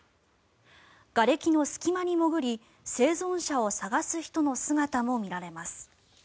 がれきの隙間に潜り生存者を捜す人の姿も見られます。